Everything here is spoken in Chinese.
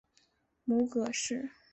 母葛氏。